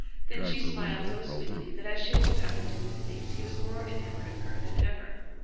Then she smiled so sweetly that as she looked up into his face he was more enamoured of her than ever.